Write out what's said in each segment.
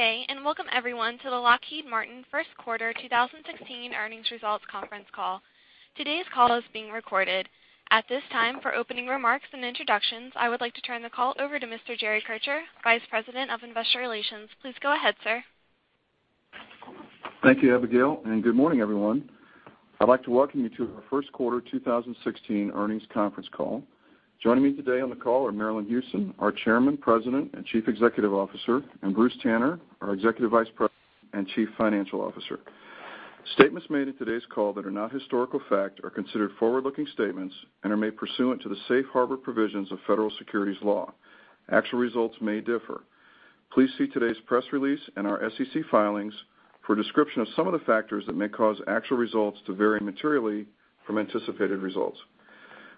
Good day, welcome, everyone, to the Lockheed Martin first quarter 2016 earnings results conference call. Today's call is being recorded. At this time, for opening remarks and introductions, I would like to turn the call over to Mr. Jerry Kircher, Vice President of Investor Relations. Please go ahead, sir. Thank you, Abigail. Good morning, everyone. I'd like to welcome you to our first quarter 2016 earnings conference call. Joining me today on the call are Marillyn Hewson, our Chairman, President, and Chief Executive Officer, and Bruce Tanner, our Executive Vice President and Chief Financial Officer. Statements made in today's call that are not historical fact are considered forward-looking statements and are made pursuant to the safe harbor provisions of federal securities law. Actual results may differ. Please see today's press release and our SEC filings for a description of some of the factors that may cause actual results to vary materially from anticipated results.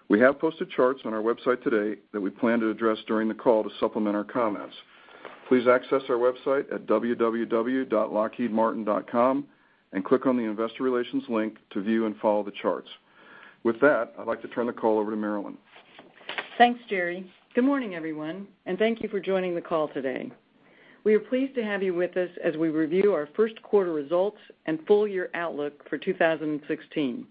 We have posted charts on our website today that we plan to address during the call to supplement our comments. Please access our website at www.lockheedmartin.com and click on the Investor Relations link to view and follow the charts. With that, I'd like to turn the call over to Marillyn. Thanks, Jerry. Good morning, everyone. Thank you for joining the call today. We are pleased to have you with us as we review our first quarter results and full year outlook for 2016.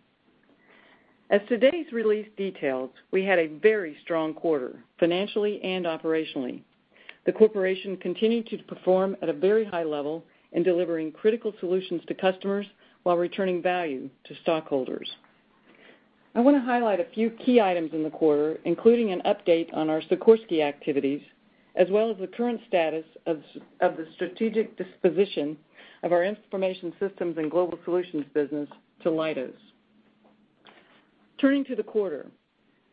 As today's release details, we had a very strong quarter, financially and operationally. The corporation continued to perform at a very high level in delivering critical solutions to customers while returning value to stockholders. I want to highlight a few key items in the quarter, including an update on our Sikorsky activities, as well as the current status of the strategic disposition of our Information Systems and Global Solutions business to Leidos. Turning to the quarter,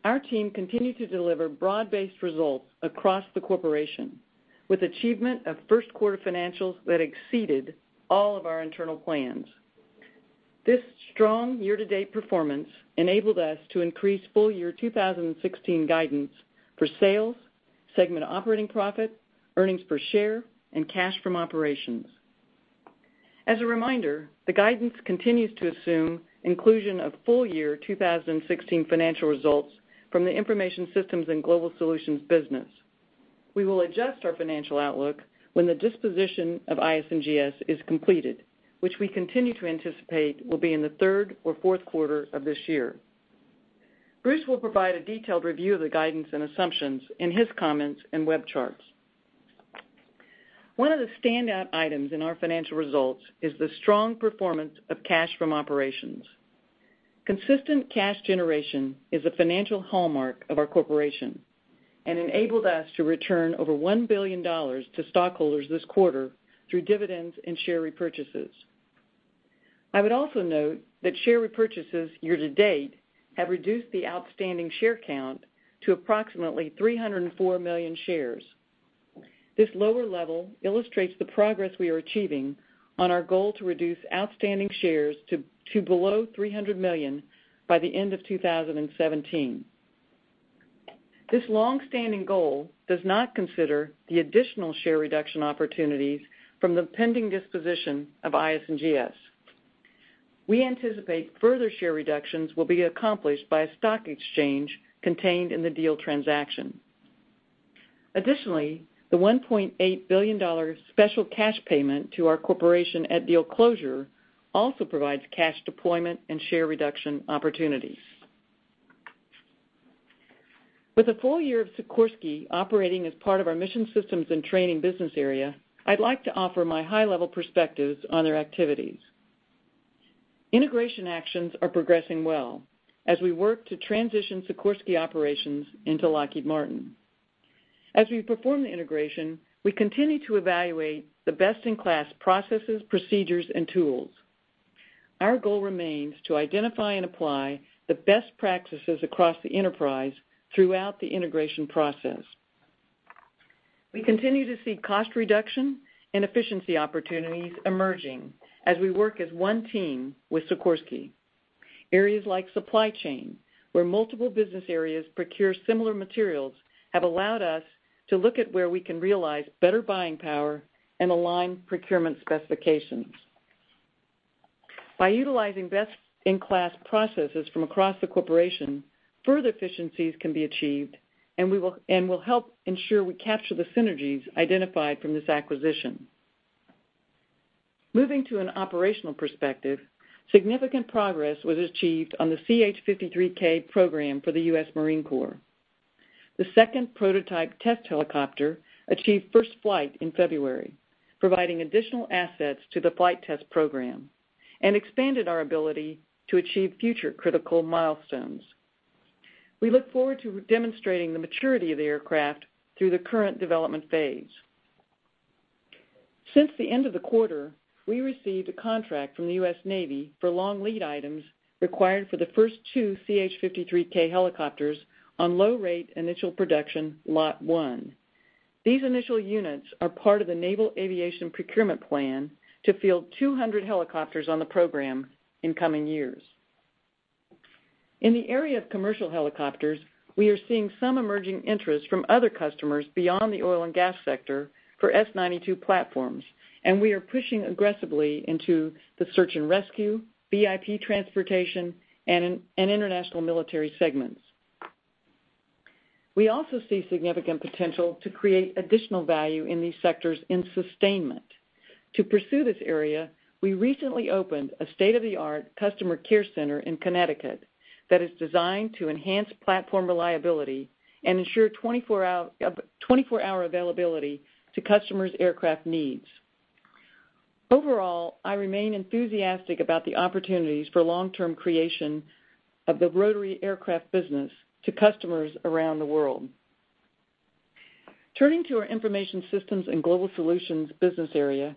our team continued to deliver broad-based results across the corporation, with achievement of first quarter financials that exceeded all of our internal plans. This strong year-to-date performance enabled us to increase full year 2016 guidance for sales, segment operating profit, earnings per share, and cash from operations. As a reminder, the guidance continues to assume inclusion of full year 2016 financial results from the Information Systems and Global Solutions business. We will adjust our financial outlook when the disposition of IS&GS is completed, which we continue to anticipate will be in the third or fourth quarter of this year. Bruce will provide a detailed review of the guidance and assumptions in his comments and web charts. One of the standout items in our financial results is the strong performance of cash from operations. Consistent cash generation is a financial hallmark of our corporation and enabled us to return over $1 billion to stockholders this quarter through dividends and share repurchases. I would also note that share repurchases year-to-date have reduced the outstanding share count to approximately 304 million shares. This lower level illustrates the progress we are achieving on our goal to reduce outstanding shares to below 300 million by the end of 2017. This long-standing goal does not consider the additional share reduction opportunities from the pending disposition of IS&GS. We anticipate further share reductions will be accomplished by a stock exchange contained in the deal transaction. Additionally, the $1.8 billion special cash payment to our corporation at deal closure also provides cash deployment and share reduction opportunities. With a full year of Sikorsky operating as part of our Mission Systems and Training business area, I'd like to offer my high-level perspectives on their activities. Integration actions are progressing well as we work to transition Sikorsky operations into Lockheed Martin. As we perform the integration, we continue to evaluate the best-in-class processes, procedures, and tools. Our goal remains to identify and apply the best practices across the enterprise throughout the integration process. We continue to see cost reduction and efficiency opportunities emerging as we work as one team with Sikorsky. Areas like supply chain, where multiple business areas procure similar materials, have allowed us to look at where we can realize better buying power and align procurement specifications. By utilizing best-in-class processes from across the corporation, further efficiencies can be achieved, and will help ensure we capture the synergies identified from this acquisition. Moving to an operational perspective, significant progress was achieved on the CH-53K program for the U.S. Marine Corps. The second prototype test helicopter achieved first flight in February, providing additional assets to the flight test program and expanded our ability to achieve future critical milestones. We look forward to demonstrating the maturity of the aircraft through the current development phase. Since the end of the quarter, we received a contract from the U.S. Navy for long lead items required for the first two CH-53K helicopters on low-rate initial production Lot 1. These initial units are part of the Naval Aviation Procurement Plan to field 200 helicopters on the program in coming years. In the area of commercial helicopters, we are seeing some emerging interest from other customers beyond the oil and gas sector for S-92 platforms, and we are pushing aggressively into the search and rescue, VIP transportation, and international military segments. We also see significant potential to create additional value in these sectors in sustainment. To pursue this area, we recently opened a state-of-the-art customer care center in Connecticut that is designed to enhance platform reliability and ensure 24-hour availability to customers' aircraft needs. Overall, I remain enthusiastic about the opportunities for long-term creation of the rotary aircraft business to customers around the world. Turning to our Information Systems & Global Solutions business area,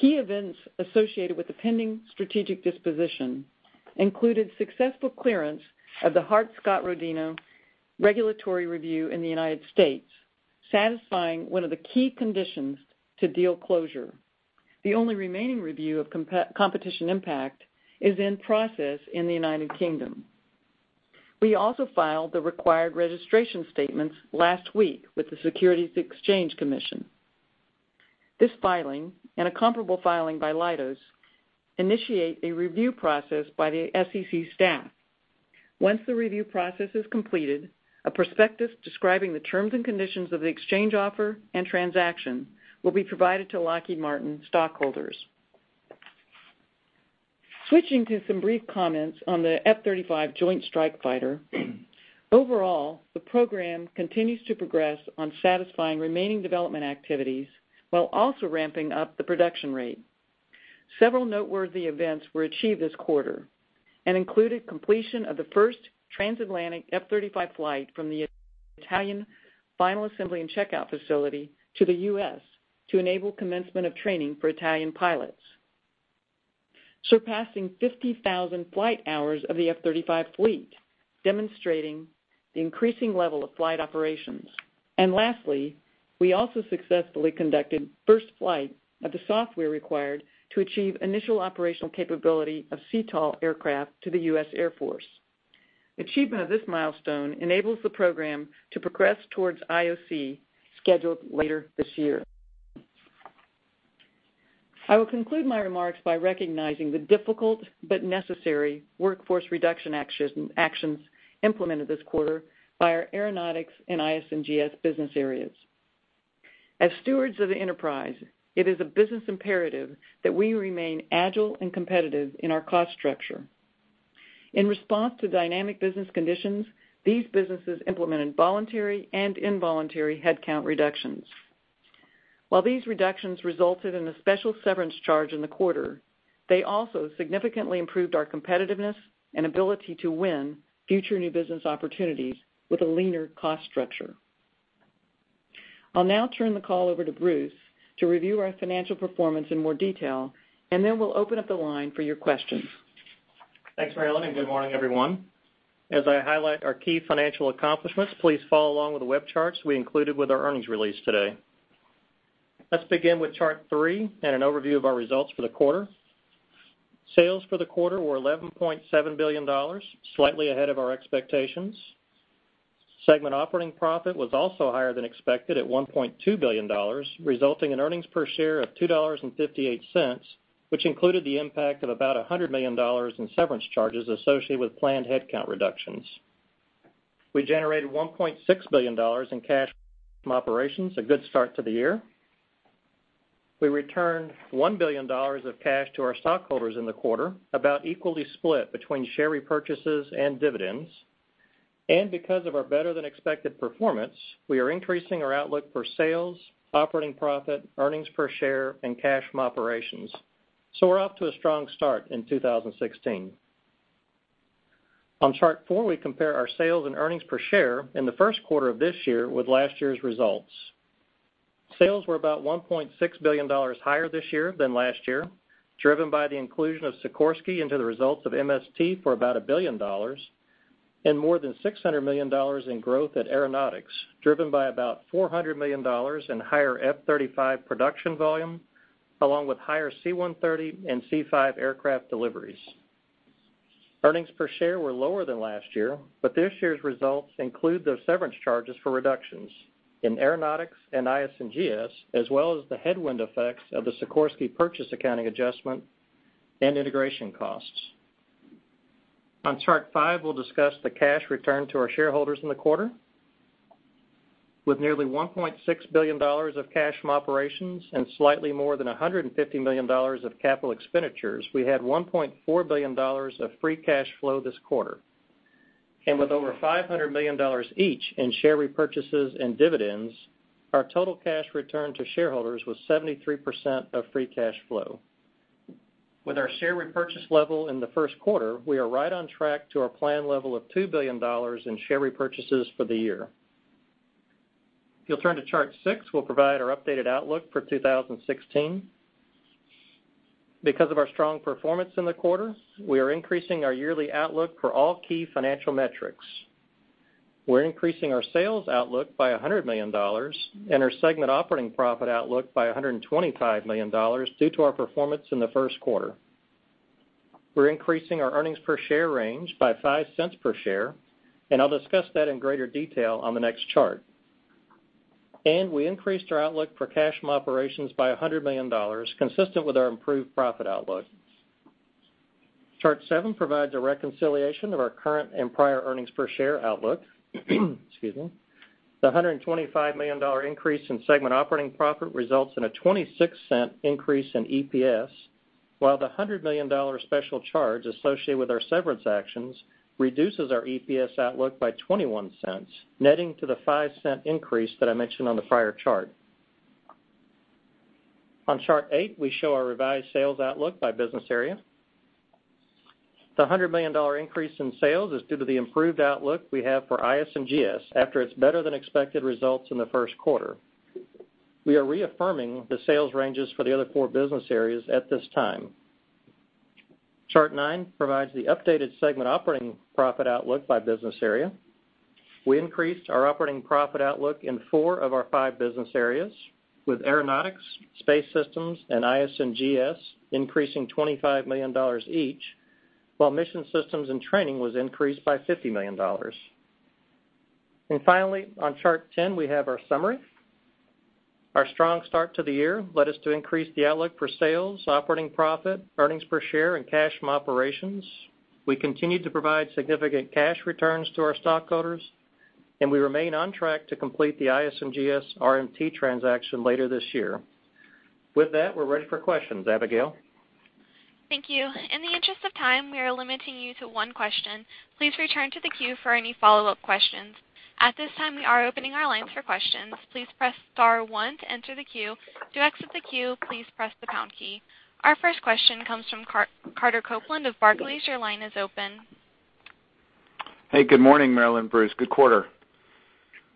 key events associated with the pending strategic disposition included successful clearance of the Hart-Scott-Rodino regulatory review in the U.S., satisfying one of the key conditions to deal closure. The only remaining review of competition impact is in process in the U.K. We also filed the required registration statements last week with the Securities and Exchange Commission. This filing, and a comparable filing by Leidos, initiate a review process by the SEC staff. Once the review process is completed, a prospectus describing the terms and conditions of the exchange offer and transaction will be provided to Lockheed Martin stockholders. Switching to some brief comments on the F-35 Joint Strike Fighter, overall, the program continues to progress on satisfying remaining development activities while also ramping up the production rate. Several noteworthy events were achieved this quarter and included completion of the first transatlantic F-35 flight from the Italian final assembly and checkout facility to the U.S. to enable commencement of training for Italian pilots. Surpassing 50,000 flight hours of the F-35 fleet, demonstrating the increasing level of flight operations. Lastly, we also successfully conducted first flight of the software required to achieve initial operational capability of CTOL aircraft to the U.S. Air Force. Achievement of this milestone enables the program to progress towards IOC, scheduled later this year. I will conclude my remarks by recognizing the difficult but necessary workforce reduction actions implemented this quarter by our Aeronautics and IS&GS business areas. As stewards of the enterprise, it is a business imperative that we remain agile and competitive in our cost structure. In response to dynamic business conditions, these businesses implemented voluntary and involuntary headcount reductions. While these reductions resulted in a special severance charge in the quarter, they also significantly improved our competitiveness and ability to win future new business opportunities with a leaner cost structure. I'll now turn the call over to Bruce to review our financial performance in more detail, then we'll open up the line for your questions. Thanks, Marillyn, good morning, everyone. As I highlight our key financial accomplishments, please follow along with the web charts we included with our earnings release today. Let's begin with Chart three and an overview of our results for the quarter. Sales for the quarter were $11.7 billion, slightly ahead of our expectations. Segment operating profit was also higher than expected at $1.2 billion, resulting in earnings per share of $2.58, which included the impact of about $100 million in severance charges associated with planned headcount reductions. We generated $1.6 billion in cash from operations, a good start to the year. We returned $1 billion of cash to our stockholders in the quarter, about equally split between share repurchases and dividends. Because of our better-than-expected performance, we are increasing our outlook for sales, operating profit, earnings per share, and cash from operations. We're off to a strong start in 2016. On Chart four, we compare our sales and earnings per share in the first quarter of this year with last year's results. Sales were about $1.6 billion higher this year than last year, driven by the inclusion of Sikorsky into the results of MST for about $1 billion, and more than $600 million in growth at Aeronautics, driven by about $400 million in higher F-35 production volume, along with higher C-130 and C-5 aircraft deliveries. Earnings per share were lower than last year. This year's results include those severance charges for reductions in Aeronautics and IS&GS, as well as the headwind effects of the Sikorsky purchase accounting adjustment and integration costs. On Chart five, we'll discuss the cash returned to our shareholders in the quarter. With nearly $1.6 billion of cash from operations and slightly more than $150 million of capital expenditures, we had $1.4 billion of free cash flow this quarter. With over $500 million each in share repurchases and dividends, our total cash returned to shareholders was 73% of free cash flow. With our share repurchase level in the first quarter, we are right on track to our plan level of $2 billion in share repurchases for the year. If you'll turn to Chart six, we'll provide our updated outlook for 2016. Because of our strong performance in the quarter, we are increasing our yearly outlook for all key financial metrics. We're increasing our sales outlook by $100 million and our segment operating profit outlook by $125 million due to our performance in the first quarter. We're increasing our earnings per share range by $0.05 per share. I'll discuss that in greater detail on the next chart. We increased our outlook for cash from operations by $100 million, consistent with our improved profit outlook. Chart seven provides a reconciliation of our current and prior earnings per share outlook. Excuse me. The $125 million increase in segment operating profit results in a $0.26 increase in EPS, while the $100 million special charge associated with our severance actions reduces our EPS outlook by $0.21, netting to the $0.05 increase that I mentioned on the prior chart. On Chart eight, we show our revised sales outlook by business area. The $100 million increase in sales is due to the improved outlook we have for IS&GS after its better than expected results in the first quarter. We are reaffirming the sales ranges for the other four business areas at this time. Chart nine provides the updated segment operating profit outlook by business area. We increased our operating profit outlook in four of our five business areas, with Aeronautics, Space Systems, and IS&GS increasing $25 million each, while Mission Systems and Training was increased by $50 million. Finally, on Chart 10, we have our summary. Our strong start to the year led us to increase the outlook for sales, operating profit, earnings per share, and cash from operations. We continue to provide significant cash returns to our stockholders. We remain on track to complete the IS&GS RMT transaction later this year. With that, we're ready for questions. Abigail? Thank you. In the interest of time, we are limiting you to one question. Please return to the queue for any follow-up questions. At this time, we are opening our lines for questions. Please press star one to enter the queue. To exit the queue, please press the pound key. Our first question comes from Carter Copeland of Barclays. Your line is open. Hey, good morning, Marillyn, Bruce. Good quarter.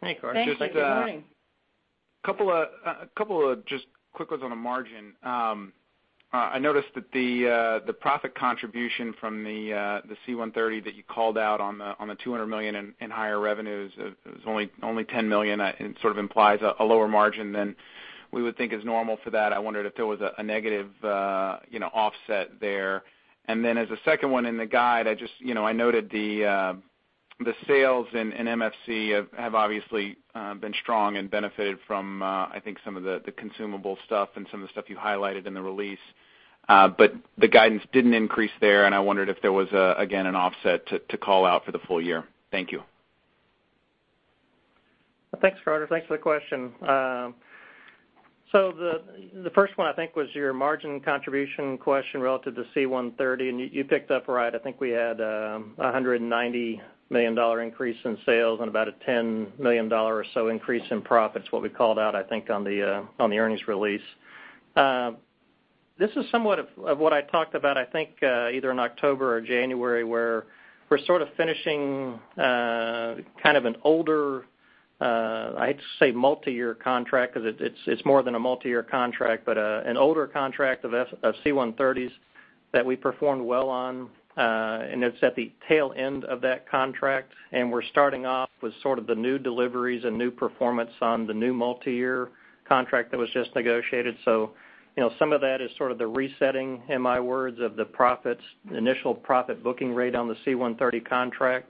Hey, Carter. Thank you. Good morning. Just a couple of quick ones on the margin. I noticed that the profit contribution from the C-130 that you called out on the $200 million in higher revenues is only $10 million, and sort of implies a lower margin than we would think is normal for that. I wondered if there was a negative offset there. As a second one in the guide, I noted the sales in MFC have obviously been strong and benefited from, I think, some of the consumable stuff and some of the stuff you highlighted in the release. The guidance didn't increase there, and I wondered if there was, again, an offset to call out for the full year. Thank you. Thanks, Carter. Thanks for the question. The first one, I think, was your margin contribution question relative to C-130, and you picked up right. I think we had $190 million increase in sales and about a $10 million or so increase in profits, what we called out, I think, on the earnings release. This is somewhat of what I talked about, I think, either in October or January, where we're sort of finishing kind of an older, I'd say multi-year contract, because it's more than a multi-year contract, but an older contract of C-130s that we performed well on. It's at the tail end of that contract, and we're starting off with sort of the new deliveries and new performance on the new multi-year contract that was just negotiated. Some of that is sort of the resetting, in my words, of the initial profit booking rate on the C-130 contract.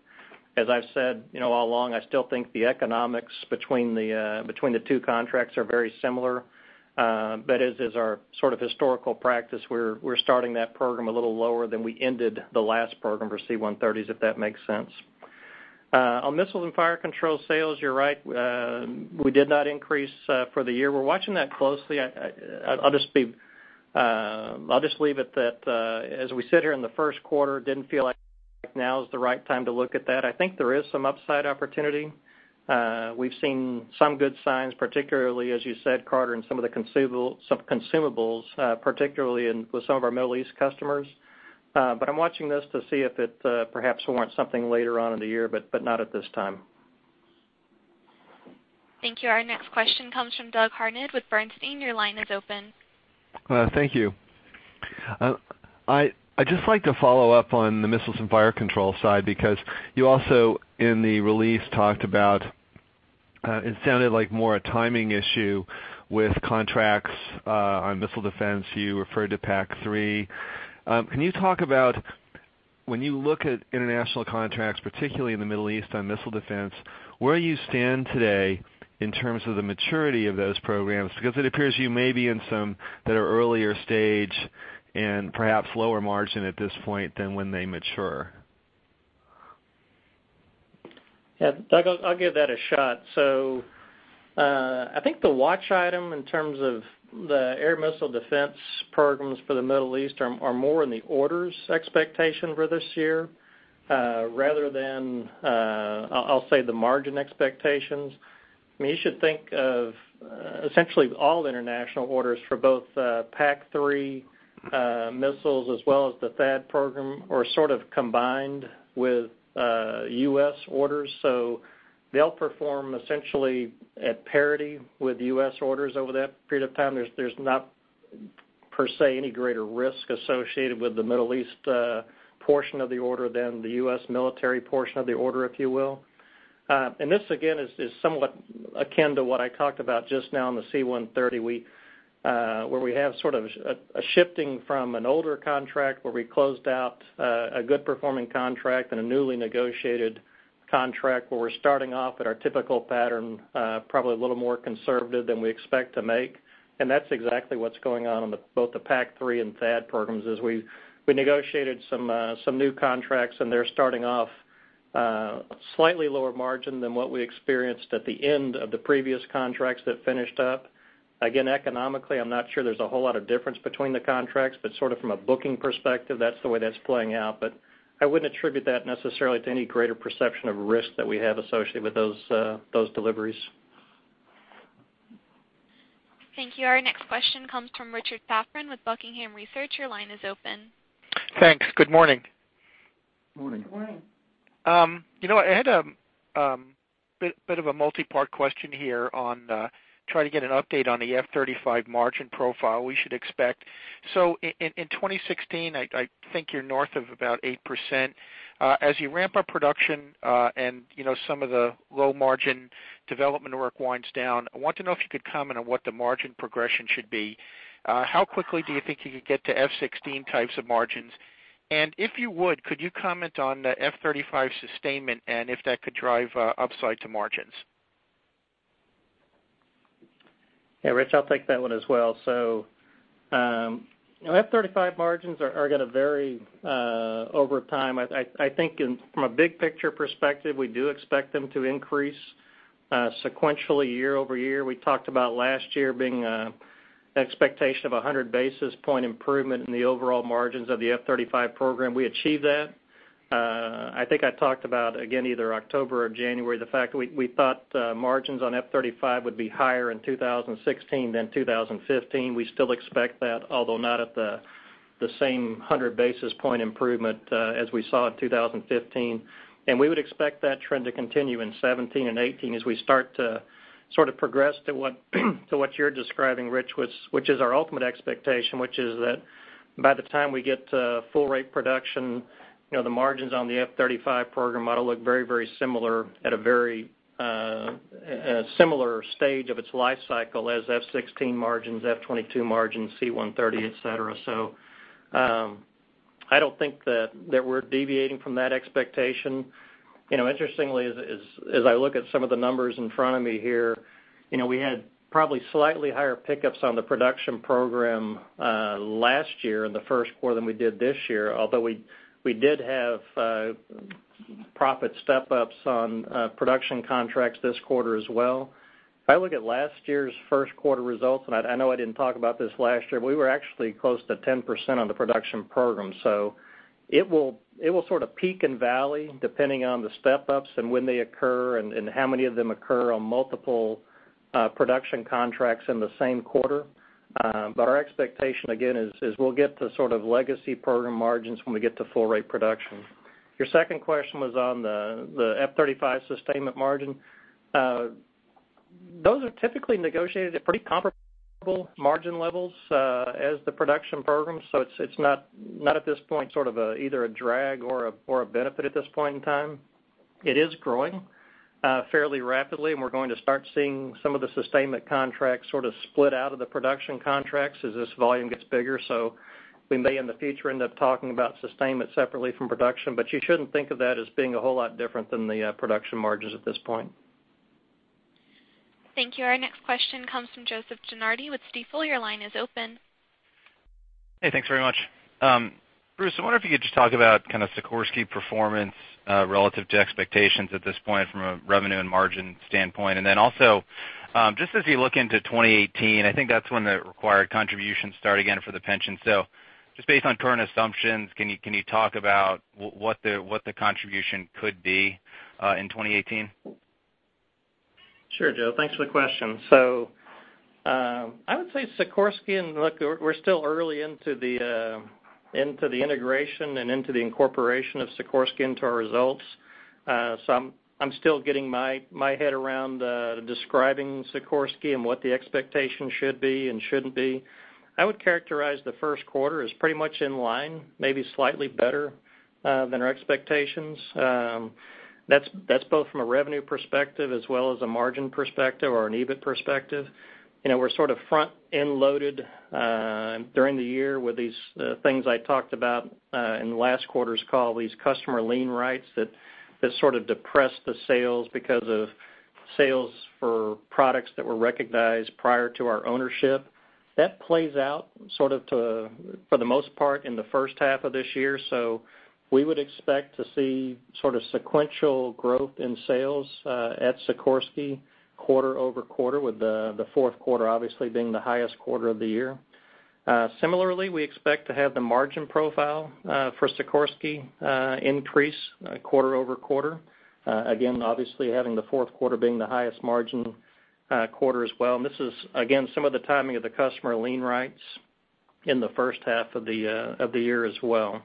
As I've said all along, I still think the economics between the two contracts are very similar. As is our sort of historical practice, we're starting that program a little lower than we ended the last program for C-130s, if that makes sense. On Missiles and Fire Control sales, you're right. We did not increase for the year. We're watching that closely. I'll just leave it that as we sit here in the first quarter, didn't feel like now is the right time to look at that. I think there is some upside opportunity. We've seen some good signs, particularly, as you said, Carter, in some of the consumables, particularly with some of our Middle East customers. I'm watching this to see if it perhaps warrants something later on in the year, but not at this time. Thank you. Our next question comes from Douglas Harned with Bernstein. Your line is open. Thank you. I'd just like to follow up on the Missiles and Fire Control side, because you also, in the release, talked about, it sounded like more a timing issue with contracts on missile defense. You referred to PAC-3. Can you talk about when you look at international contracts, particularly in the Middle East on missile defense, where you stand today in terms of the maturity of those programs? Because it appears you may be in some that are earlier stage and perhaps lower margin at this point than when they mature. Yeah. Doug, I'll give that a shot. I think the watch item in terms of the air missile defense programs for the Middle East are more in the orders expectation for this year rather than, I'll say, the margin expectations. You should think of essentially all international orders for both PAC-3 missiles as well as the THAAD program are sort of combined with U.S. orders. They'll perform essentially at parity with U.S. orders over that period of time. There's not, per se, any greater risk associated with the Middle East portion of the order than the U.S. military portion of the order, if you will. This, again, is somewhat akin to what I talked about just now on the C-130, where we have sort of a shifting from an older contract where we closed out a good performing contract and a newly negotiated contract where we're starting off at our typical pattern, probably a little more conservative than we expect to make. That's exactly what's going on both the PAC-3 and THAAD programs, is we negotiated some new contracts, and they're starting off A slightly lower margin than what we experienced at the end of the previous contracts that finished up. Again, economically, I'm not sure there's a whole lot of difference between the contracts, sort of from a booking perspective, that's the way that's playing out. I wouldn't attribute that necessarily to any greater perception of risk that we have associated with those deliveries. Thank you. Our next question comes from Richard Safran with Buckingham Research. Your line is open. Thanks. Good morning. Morning. Morning. I had a bit of a multipart question here on trying to get an update on the F-35 margin profile we should expect. In 2016, I think you're north of about 8%. As you ramp up production, and some of the low-margin development work winds down, I want to know if you could comment on what the margin progression should be. How quickly do you think you could get to F-16 types of margins? And if you would, could you comment on the F-35 sustainment and if that could drive upside to margins? Yeah, Rich, I'll take that one as well. F-35 margins are going to vary over time. I think from a big picture perspective, we do expect them to increase sequentially year-over-year. We talked about last year being an expectation of a 100-basis point improvement in the overall margins of the F-35 program. We achieved that. I think I talked about, again, either October or January, the fact that we thought margins on F-35 would be higher in 2016 than 2015. We still expect that, although not at the same 100-basis point improvement as we saw in 2015. We would expect that trend to continue in 2017 and 2018 as we start to sort of progress to what you're describing, Rich, which is our ultimate expectation, which is that by the time we get to full rate production, the margins on the F-35 program ought to look very similar at a similar stage of its life cycle as F-16 margins, F-22 margins, C-130, et cetera. I don't think that we're deviating from that expectation. Interestingly, as I look at some of the numbers in front of me here, we had probably slightly higher pickups on the production program last year in the first quarter than we did this year, although we did have profit step-ups on production contracts this quarter as well. I look at last year's first quarter results, and I know I didn't talk about this last year, we were actually close to 10% on the production program. It will sort of peak and valley depending on the step-ups and when they occur and how many of them occur on multiple production contracts in the same quarter. Our expectation, again, is we'll get to sort of legacy program margins when we get to full rate production. Your second question was on the F-35 sustainment margin. Those are typically negotiated at pretty comparable margin levels as the production program. It's not at this point sort of either a drag or a benefit at this point in time. It is growing fairly rapidly, and we're going to start seeing some of the sustainment contracts sort of split out of the production contracts as this volume gets bigger. We may, in the future, end up talking about sustainment separately from production, you shouldn't think of that as being a whole lot different than the production margins at this point. Thank you. Our next question comes from Joseph DeNardi with Stifel. Your line is open. Hey, thanks very much. Bruce, I wonder if you could just talk about kind of Sikorsky performance relative to expectations at this point from a revenue and margin standpoint. Just as you look into 2018, I think that's when the required contributions start again for the pension. Just based on current assumptions, can you talk about what the contribution could be in 2018? Sure, Joe. Thanks for the question. I would say Sikorsky, and look, we're still early into the integration and into the incorporation of Sikorsky into our results. I'm still getting my head around describing Sikorsky and what the expectation should be and shouldn't be. I would characterize the first quarter as pretty much in line, maybe slightly better, than our expectations. That's both from a revenue perspective as well as a margin perspective or an EBIT perspective. We're sort of front-end loaded during the year with these things I talked about in last quarter's call, these customer lien rights that sort of depressed the sales because of sales for products that were recognized prior to our ownership. That plays out sort of for the most part in the first half of this year. We would expect to see sort of sequential growth in sales at Sikorsky quarter over quarter, with the fourth quarter obviously being the highest quarter of the year. Similarly, we expect to have the margin profile for Sikorsky increase quarter over quarter. Again, obviously having the fourth quarter being the highest margin quarter as well, and this is, again, some of the timing of the customer lien rights in the first half of the year as well.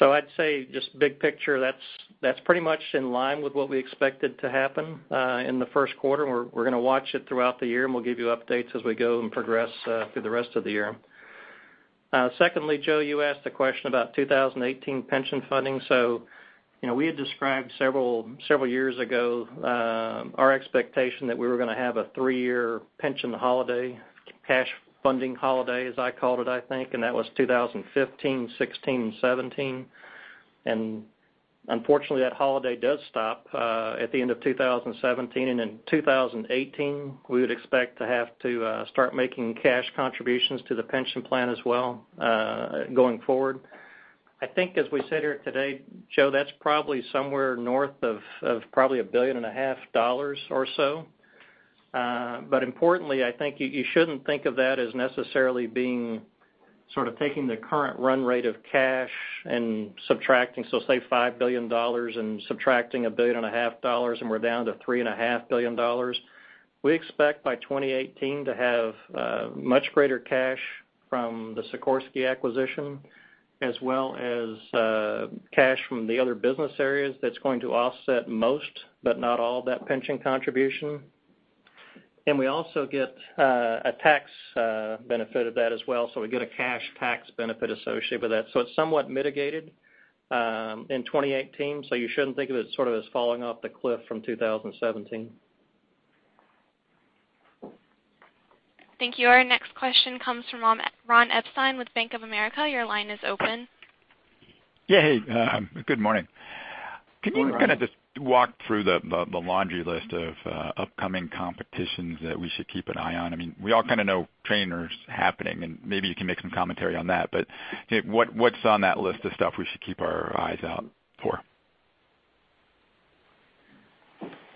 I'd say just big picture, that's pretty much in line with what we expected to happen in the first quarter, and we're going to watch it throughout the year, and we'll give you updates as we go and progress through the rest of the year. Secondly, Joe, you asked a question about 2018 pension funding. We had described several years ago our expectation that we were going to have a three-year pension holiday, cash funding holiday, as I called it, I think, and that was 2015, 2016, and 2017. Unfortunately, that holiday does stop at the end of 2017. In 2018, we would expect to have to start making cash contributions to the pension plan as well going forward. I think as we sit here today, Joe, that's probably somewhere north of probably a billion and a half dollars or so. Importantly, I think you shouldn't think of that as necessarily being sort of taking the current run rate of cash and subtracting, say $5 billion and subtracting a billion and a half dollars, and we're down to three and a half billion dollars. We expect by 2018 to have much greater cash from the Sikorsky acquisition, as well as cash from the other business areas that's going to offset most, but not all of that pension contribution. We also get a tax benefit of that as well. We get a cash tax benefit associated with that. It's somewhat mitigated, in 2018. You shouldn't think of it sort of as falling off the cliff from 2017. Thank you. Our next question comes from Ronald Epstein with Bank of America. Your line is open. Yeah. Hey, good morning. Good morning. Can you kind of just walk through the laundry list of upcoming competitions that we should keep an eye on? I mean, we all kind of know Trainer's happening, and maybe you can make some commentary on that, what's on that list of stuff we should keep our eyes out for?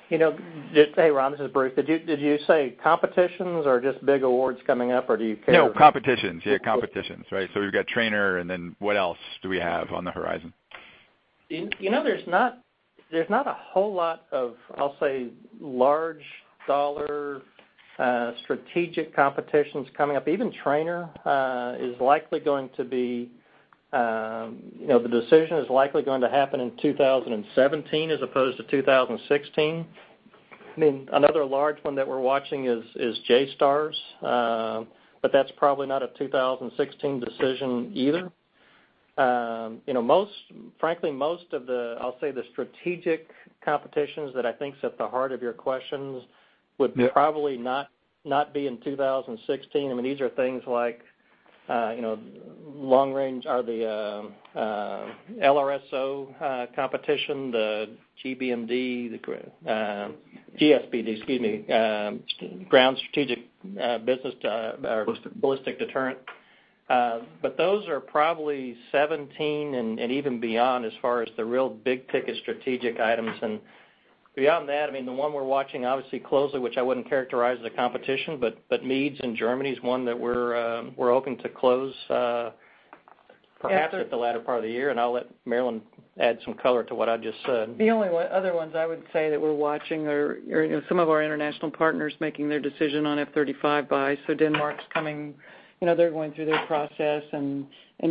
Hey, Ron, this is Bruce. Did you say competitions or just big awards coming up, or do you care? No, competitions. Yeah, competitions. Right. We've got Trainer, what else do we have on the horizon? There's not a whole lot of, I'll say, large dollar, strategic competitions coming up. Even Trainer, the decision is likely going to happen in 2017 as opposed to 2016. Another large one that we're watching is JSTARS. That's probably not a 2016 decision either. Frankly, most of the, I'll say, the strategic competitions that I think is at the heart of your questions would probably not be in 2016. I mean, these are things like, the LRSO competition, the GBSD, Ground Based Strategic Deterrent, or Ballistic Deterrent. Those are probably 2017 and even beyond as far as the real big-ticket strategic items. Beyond that, the one we're watching obviously closely, which I wouldn't characterize as a competition, MEADS in Germany is one that we're hoping to close, perhaps at the latter part of the year. I'll let Marillyn add some color to what I just said. The only other ones I would say that we're watching are some of our international partners making their decision on F-35 buys. Denmark's coming. They're going through their process,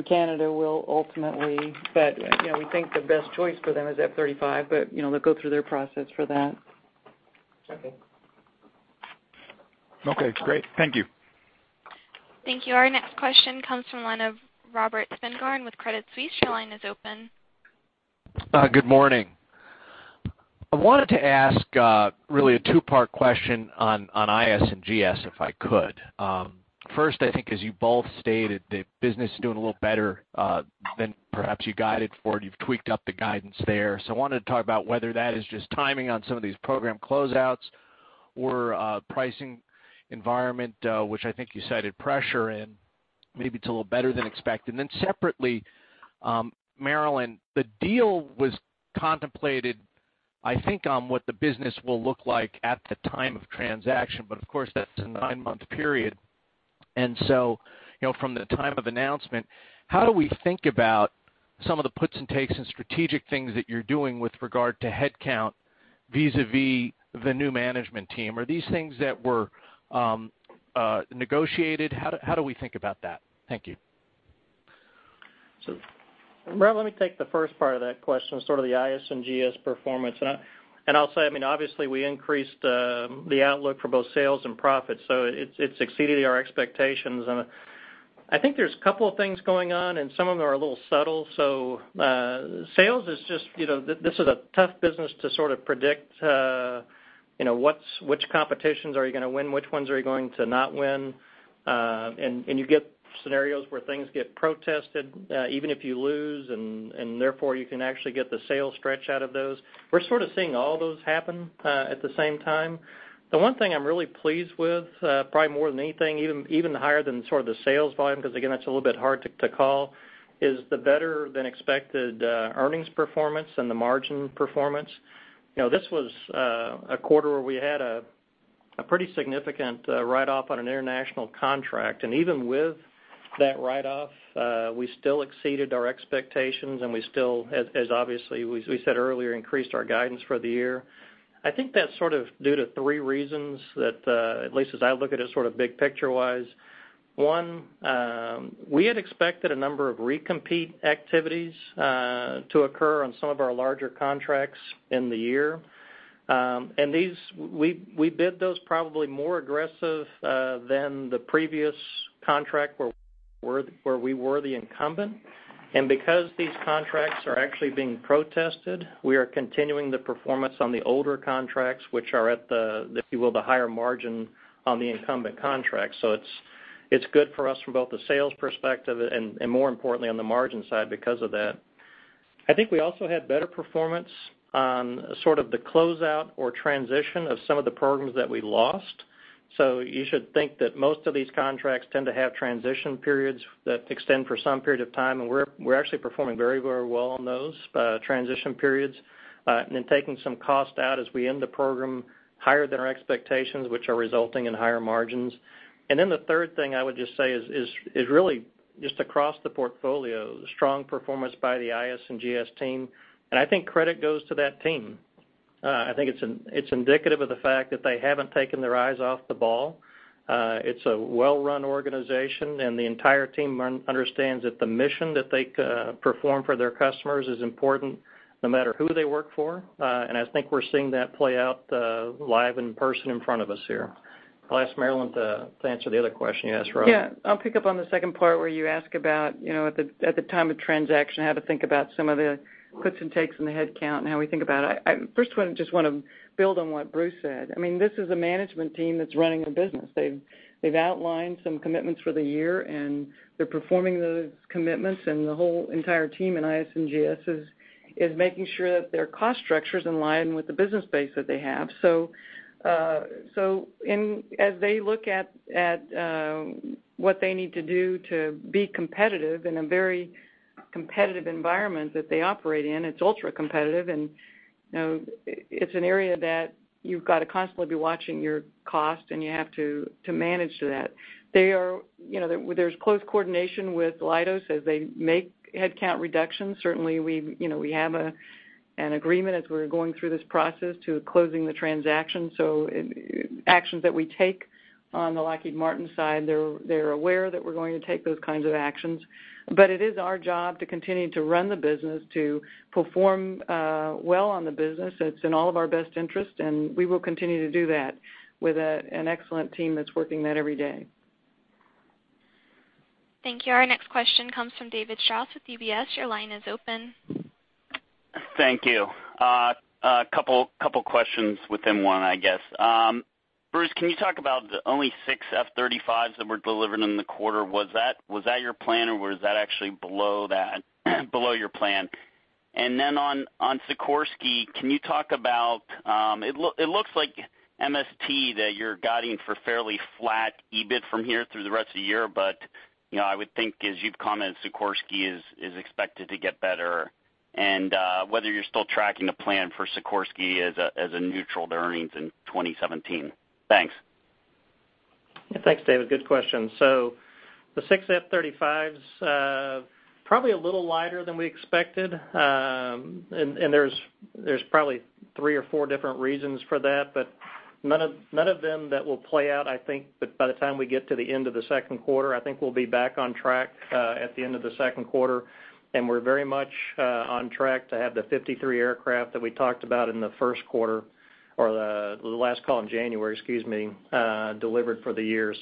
Canada will ultimately, but we think the best choice for them is F-35. They'll go through their process for that. Okay. Okay, great. Thank you. Thank you. Our next question comes from line of Robert Spingarn with Credit Suisse. Your line is open. Good morning. I wanted to ask really a two-part question on IS&GS, if I could. First, I think as you both stated, the business is doing a little better than perhaps you guided for. You've tweaked up the guidance there. I wanted to talk about whether that is just timing on some of these program closeouts or pricing environment, which I think you cited pressure in, maybe it's a little better than expected. Separately, Marillyn, the deal was contemplated, I think, on what the business will look like at the time of transaction. Of course, that's a nine-month period. From the time of announcement, how do we think about some of the puts and takes and strategic things that you're doing with regard to headcount vis-a-vis the new management team? Are these things that were negotiated? How do we think about that? Thank you. Robert, let me take the first part of that question, sort of the IS&GS performance. I'll say, obviously we increased the outlook for both sales and profits, it's exceeded our expectations. I think there's a couple of things going on, and some of them are a little subtle. Sales is just, this is a tough business to sort of predict which competitions are you going to win, which ones are you going to not win. You get scenarios where things get protested, even if you lose, and therefore you can actually get the sales stretch out of those. We're sort of seeing all of those happen at the same time. The one thing I'm really pleased with, probably more than anything, even higher than sort of the sales volume, because again, that's a little bit hard to call, is the better than expected earnings performance and the margin performance. This was a quarter where we had a pretty significant write-off on an international contract. Even with that write-off, we still exceeded our expectations, we still, as obviously we said earlier, increased our guidance for the year. I think that's sort of due to three reasons that, at least as I look at it sort of big picture-wise. One, we had expected a number of recompete activities to occur on some of our larger contracts in the year. We bid those probably more aggressive than the previous contract where we were the incumbent. Because these contracts are actually being protested, we are continuing the performance on the older contracts, which are at the, if you will, the higher margin on the incumbent contracts. It's good for us from both the sales perspective and more importantly on the margin side because of that. I think we also had better performance on sort of the closeout or transition of some of the programs that we lost. You should think that most of these contracts tend to have transition periods that extend for some period of time, we're actually performing very well on those transition periods, then taking some cost out as we end the program higher than our expectations, which are resulting in higher margins. The third thing I would just say is really just across the portfolio, strong performance by the IS&GS team. I think credit goes to that team. I think it's indicative of the fact that they haven't taken their eyes off the ball. It's a well-run organization, and the entire team understands that the mission that they perform for their customers is important, no matter who they work for. I think we're seeing that play out live in person in front of us here. I'll ask Marillyn to answer the other question you asked, Rob. I'll pick up on the second part where you ask about at the time of transaction, how to think about some of the gives and takes in the headcount and how we think about it. I first just want to build on what Bruce said. This is a management team that's running a business. They've outlined some commitments for the year, and they're performing those commitments, and the whole entire team in IS&GS is making sure that their cost structure is in line with the business base that they have. As they look at what they need to do to be competitive in a very competitive environment that they operate in, it's ultra-competitive, and it's an area that you've got to constantly be watching your cost, and you have to manage that. There's close coordination with Leidos as they make headcount reductions. Certainly, we have an agreement as we're going through this process to closing the transaction. Actions that we take on the Lockheed Martin side, they're aware that we're going to take those kinds of actions. It is our job to continue to run the business, to perform well on the business. It's in all of our best interest, and we will continue to do that with an excellent team that's working that every day. Thank you. Our next question comes from David Strauss with UBS. Your line is open. Thank you. A couple questions within one, I guess. Bruce, can you talk about the only six F-35s that were delivered in the quarter. Was that your plan, or was that actually below your plan? On Sikorsky, can you talk about, it looks like MST that you're guiding for fairly flat EBIT from here through the rest of the year, but I would think as you've commented, Sikorsky is expected to get better, and whether you're still tracking a plan for Sikorsky as a neutral to earnings in 2017. Thanks. Thanks, David. Good question. The six F-35s, probably a little lighter than we expected. There's probably three or four different reasons for that, but none of them that will play out, I think, by the time we get to the end of the second quarter. I think we'll be back on track at the end of the second quarter. We're very much on track to have the 53 aircraft that we talked about in the first quarter, or the last call in January, excuse me, delivered for the year.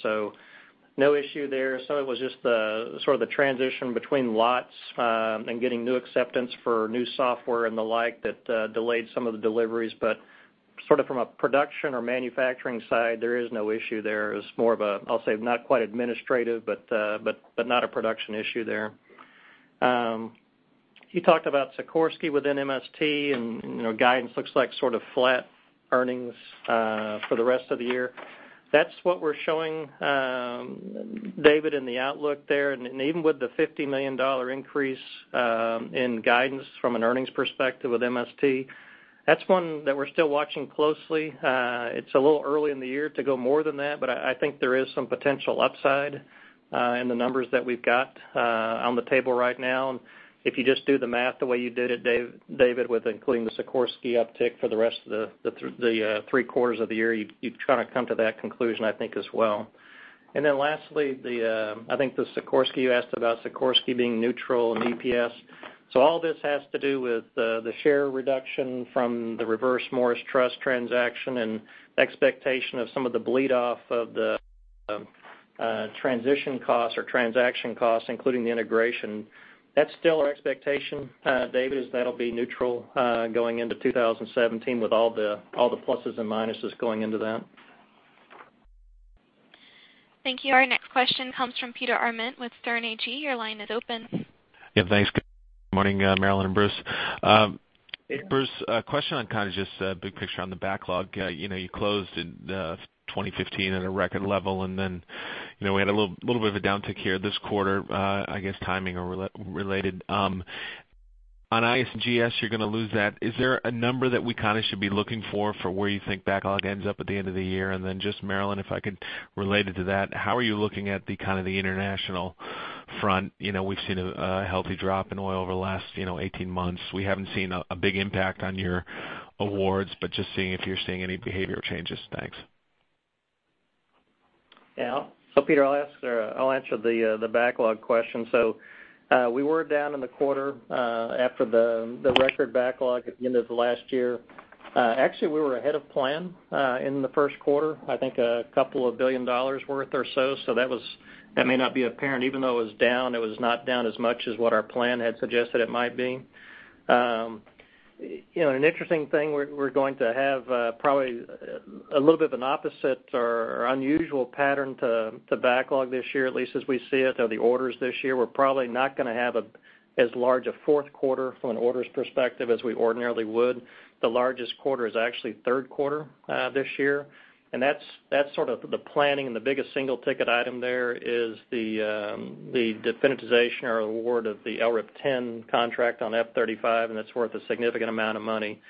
No issue there. Some of it was just the sort of the transition between lots, and getting new acceptance for new software and the like that delayed some of the deliveries, but sort of from a production or manufacturing side, there is no issue there. It's more of a, I'll say, not quite administrative, but not a production issue there. You talked about Sikorsky within MST, guidance looks like sort of flat earnings for the rest of the year. That's what we're showing, David, in the outlook there. Even with the $50 million increase in guidance from an earnings perspective with MST, that's one that we're still watching closely. It's a little early in the year to go more than that, but I think there is some potential upside in the numbers that we've got on the table right now. If you just do the math the way you did it, David, with including the Sikorsky uptick for the rest of the three quarters of the year, you'd kind of come to that conclusion, I think, as well. Lastly, I think the Sikorsky, you asked about Sikorsky being neutral in EPS. All this has to do with the share reduction from the Reverse Morris Trust transaction and expectation of some of the bleed off of the transition costs or transaction costs, including the integration. That's still our expectation, David, is that'll be neutral going into 2017 with all the pluses and minuses going into that. Thank you. Our next question comes from Peter Arment with Sterne Agee. Your line is open. Yeah. Thanks. Good morning, Marillyn and Bruce. Bruce, a question on kind of just big picture on the backlog. You closed in 2015 at a record level, and then we had a little bit of a downtick here this quarter, I guess timing related. On IS&GS, you're going to lose that. Is there a number that we kind of should be looking for where you think backlog ends up at the end of the year? Then just Marillyn, if I could relate it to that, how are you looking at kind of the international front? We've seen a healthy drop in oil over the last 18 months. We haven't seen a big impact on your awards, but just seeing if you're seeing any behavior changes. Thanks. Yeah. Peter, I'll answer the backlog question. We were down in the quarter after the record backlog at the end of last year. Actually, we were ahead of plan in the first quarter, I think a couple of billion dollars worth or so. That may not be apparent. Even though it was down, it was not down as much as what our plan had suggested it might be. An interesting thing we're going to have probably a little bit of an opposite or unusual pattern to backlog this year, at least as we see it, or the orders this year. We're probably not going to have as large a fourth quarter from an orders perspective as we ordinarily would. The largest quarter is actually third quarter this year. That's sort of the planning and the biggest single ticket item there is the definitization or award of the LRIP 10 contract on F-35, and it's worth a significant amount of money.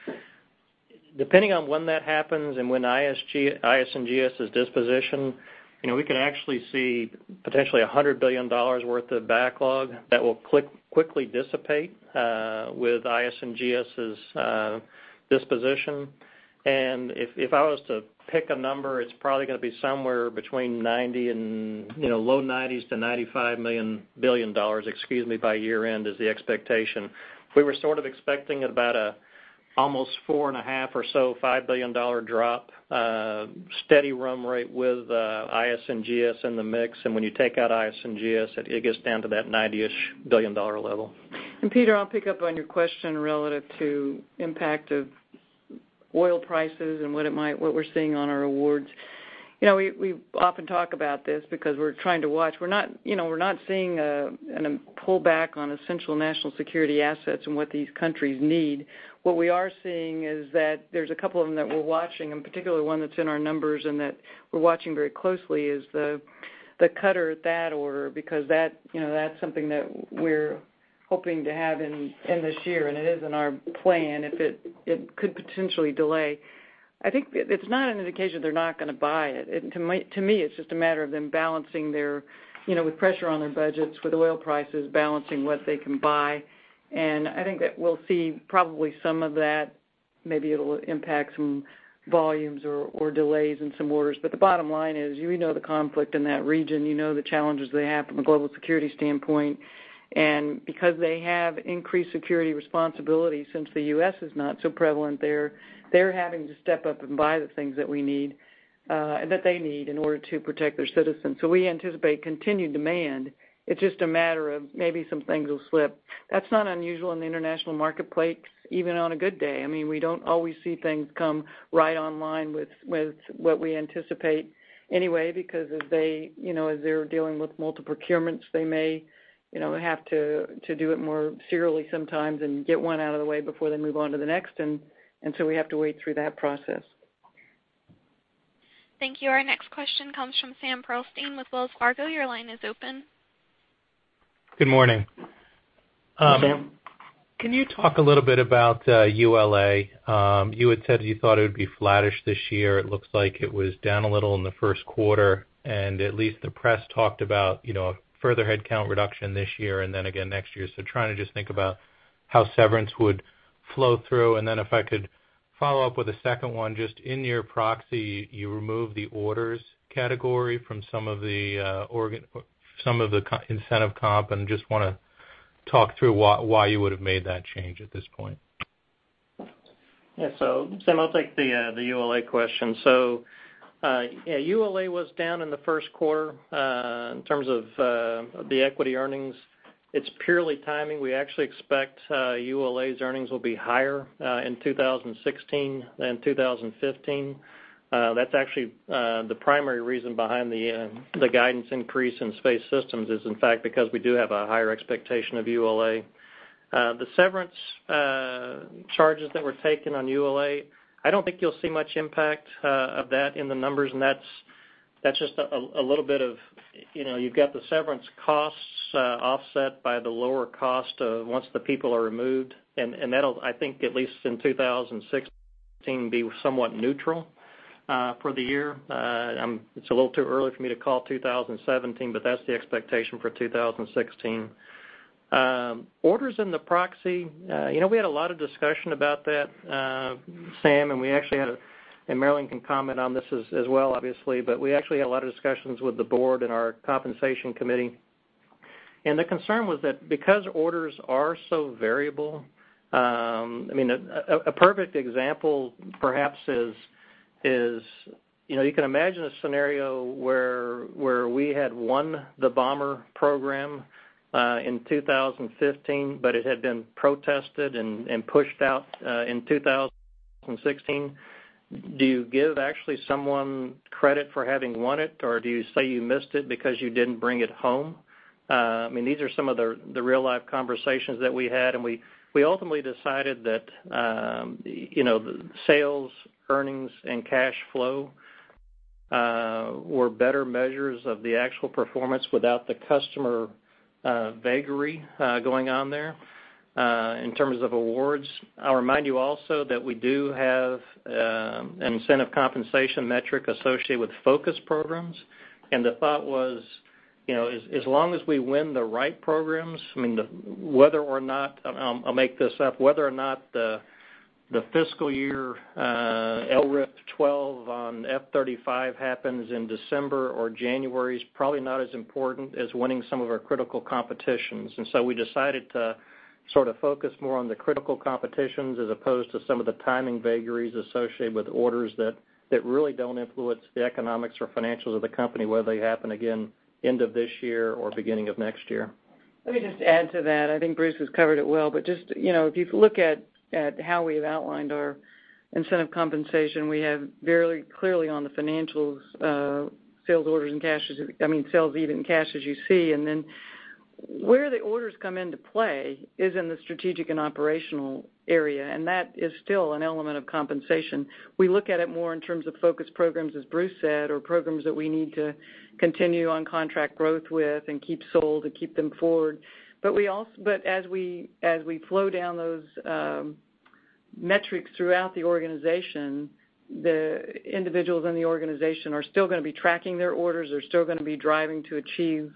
Depending on when that happens and when IS&GS is dispositioned, we could actually see potentially $100 billion worth of backlog that will quickly dissipate with IS&GS's disposition. If I was to pick a number, it's probably going to be somewhere between low $90s to $95 billion by year-end is the expectation. We were sort of expecting about almost four and a half or so, $5 billion drop, steady run rate with IS&GS in the mix. When you take out IS&GS, it gets down to that 90-ish billion dollar level. Peter, I'll pick up on your question relative to impact of oil prices and what we're seeing on our awards. We often talk about this because we're trying to watch. We're not seeing a pullback on essential national security assets and what these countries need. What we are seeing is that there's a couple of them that we're watching, and particularly one that's in our numbers and that we're watching very closely is the Qatar THAAD order, because that's something that we're hoping to have in this year, and it is in our plan. It could potentially delay. I think it's not an indication they're not going to buy it. To me, it's just a matter of them balancing with pressure on their budgets, with oil prices, balancing what they can buy. I think that we'll see probably some of that. Maybe it'll impact some volumes or delays in some orders. The bottom line is, you know the conflict in that region, you know the challenges they have from a global security standpoint. Because they have increased security responsibility since the U.S. is not so prevalent there, they're having to step up and buy the things that they need in order to protect their citizens. We anticipate continued demand. It's just a matter of maybe some things will slip. That's not unusual in the international marketplace, even on a good day. We don't always see things come right online with what we anticipate anyway, because as they're dealing with multiple procurements, they may have to do it more serially sometimes and get one out of the way before they move on to the next. We have to wait through that process. Thank you. Our next question comes from Sam Pearlstein with Wells Fargo. Your line is open. Good morning. Hi, Sam. Can you talk a little bit about ULA? You had said you thought it would be flattish this year. It looks like it was down a little in the first quarter, and at least the press talked about a further headcount reduction this year and then again next year. Trying to just think about how severance would flow through. If I could follow up with a second one, just in your proxy, you removed the orders category from some of the incentive comp and just want to talk through why you would have made that change at this point. Yeah. Sam, I'll take the ULA question. Yeah, ULA was down in the first quarter. In terms of the equity earnings, it's purely timing. We actually expect ULA's earnings will be higher in 2016 than 2015. That's actually the primary reason behind the guidance increase in Space Systems is, in fact, because we do have a higher expectation of ULA. The severance charges that were taken on ULA, I don't think you'll see much impact of that in the numbers, and that's just a little bit of, you've got the severance costs offset by the lower cost once the people are removed. That'll, I think at least in 2016, be somewhat neutral for the year. It's a little too early for me to call 2017, but that's the expectation for 2016. Orders in the proxy. We had a lot of discussion about that, Sam, and Marillyn can comment on this as well, obviously, but we actually had a lot of discussions with the board and our compensation committee. The concern was that because orders are so variable, a perfect example perhaps is you can imagine a scenario where we had won the bomber program in 2015, but it had been protested and pushed out in 2016. Do you give actually someone credit for having won it, or do you say you missed it because you didn't bring it home? These are some of the real-life conversations that we had, we ultimately decided that sales, earnings, and cash flow were better measures of the actual performance without the customer vagary going on there. In terms of awards, I'll remind you also that we do have an incentive compensation metric associated with focus programs. The thought was, as long as we win the right programs, I'll make this up, whether or not the fiscal year LRIP 12 on F-35 happens in December or January is probably not as important as winning some of our critical competitions. We decided to sort of focus more on the critical competitions as opposed to some of the timing vagaries associated with orders that really don't influence the economics or financials of the company, whether they happen again end of this year or beginning of next year. Let me just add to that. I think Bruce has covered it well, if you look at how we've outlined our incentive compensation, we have very clearly on the financials, sales orders and cash, I mean, sales even cash as you see. Then where the orders come into play is in the strategic and operational area, and that is still an element of compensation. We look at it more in terms of focus programs, as Bruce said, or programs that we need to continue on contract growth with and keep sold to keep them forward. As we flow down those metrics throughout the organization, the individuals in the organization are still going to be tracking their orders, they're still going to be driving to achieve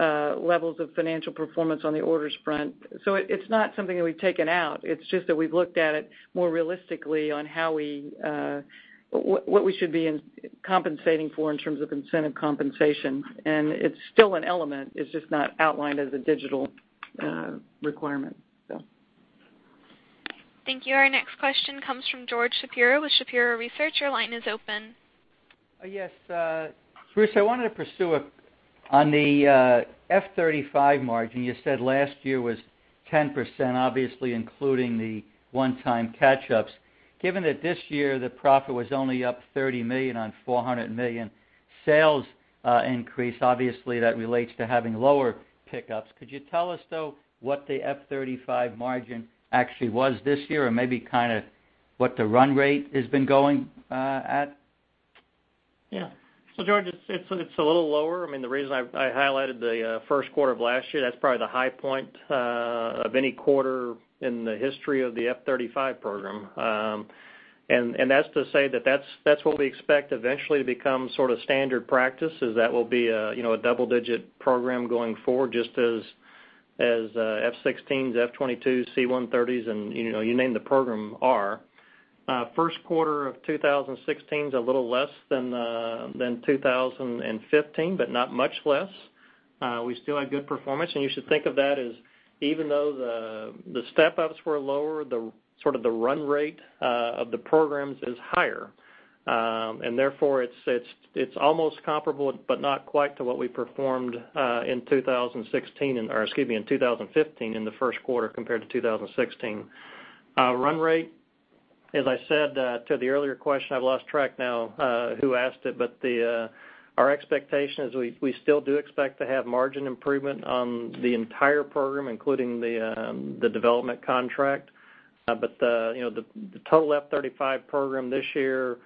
levels of financial performance on the orders front. It's not something that we've taken out, it's just that we've looked at it more realistically on what we should be compensating for in terms of incentive compensation. It's still an element. It's just not outlined as a digital requirement. Thank you. Our next question comes from George Shapiro with Shapiro Research. Your line is open. Yes. Bruce, I wanted to pursue on the F-35 margin, you said last year was 10%, obviously including the one-time catch-ups. Given that this year the profit was only up $30 million on $400 million sales increase, obviously that relates to having lower pickups. Could you tell us, though, what the F-35 margin actually was this year, and maybe kind of what the run rate has been going at? Yeah. George, it's a little lower. The reason I highlighted the first quarter of last year, that's probably the high point of any quarter in the history of the F-35 program. That's to say that that's what we expect eventually to become sort of standard practice, is that will be a double-digit program going forward, just as F-16s, F-22s, C-130s, and you name the program, are. First quarter of 2016 is a little less than 2015, but not much less. We still had good performance, and you should think of that as, even though the step-ups were lower, sort of the run rate of the programs is higher. Therefore, it's almost comparable, but not quite to what we performed in 2016, or excuse me, in 2015 in the first quarter compared to 2016. Run rate, as I said to the earlier question, I've lost track now who asked it, but our expectation is we still do expect to have margin improvement on the entire program, including the development contract. The total F-35 program this year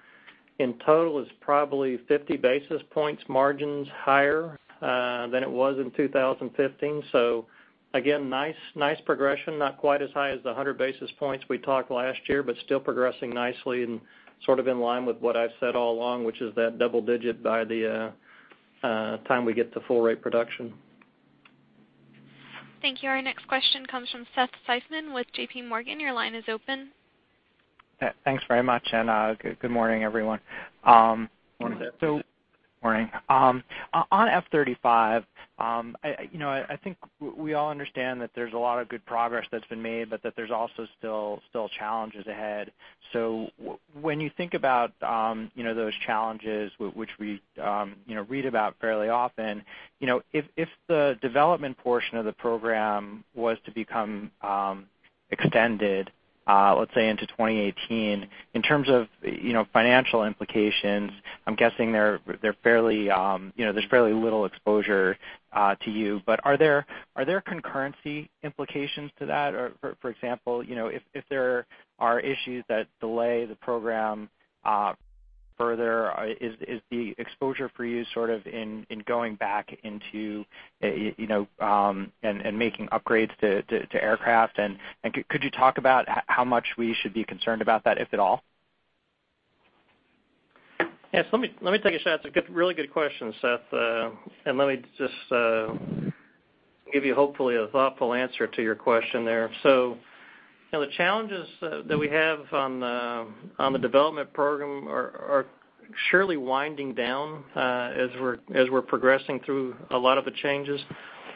in total is probably 50 basis points margins higher than it was in 2015. Again, nice progression. Not quite as high as the 100 basis points we talked last year, but still progressing nicely and sort of in line with what I've said all along, which is that double digit by the time we get to full rate production. Thank you. Our next question comes from Seth Seifman with JPMorgan. Your line is open. Thanks very much. Good morning, everyone. Good morning. Morning. On F-35, I think we all understand that there's a lot of good progress that's been made, but that there's also still challenges ahead. When you think about those challenges, which we read about fairly often, if the development portion of the program was to become extended, let's say into 2018, in terms of financial implications, I'm guessing there's fairly little exposure to you. Are there concurrency implications to that? For example, if there are issues that delay the program further, is the exposure for you sort of in going back into and making upgrades to aircraft, and could you talk about how much we should be concerned about that, if at all? Yes, let me take a shot. It's a really good question, Seth, and let me just give you, hopefully, a thoughtful answer to your question there. The challenges that we have on the development program are surely winding down as we're progressing through a lot of the changes.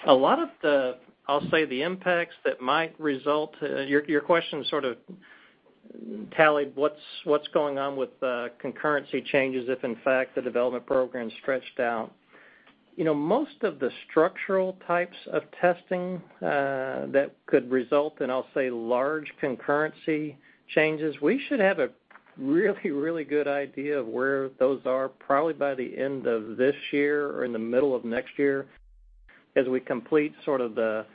A lot of the, I'll say, the impacts that might result, your question sort of tallied what's going on with concurrency changes if, in fact, the development program is stretched out. Most of the structural types of testing that could result in, I'll say, large concurrency changes, we should have a really good idea of where those are probably by the end of this year or in the middle of next year as we complete sort of the